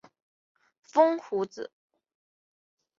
风胡子。